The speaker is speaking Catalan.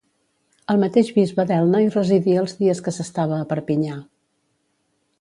El mateix bisbe d'Elna hi residia els dies que s'estava a Perpinyà.